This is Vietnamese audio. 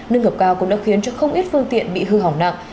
nâng ngập cao cũng đã khiến cho không ít phương tiện bị hư hỏng nặng